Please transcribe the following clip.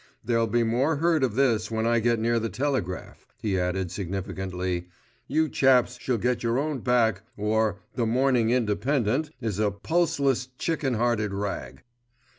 There'll be more heard of this when I get near the telegraph," he added significantly. "You chaps shall get your own back, or* The Morning Independent* is a pulseless, chicken hearted rag."